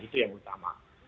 itu yang utama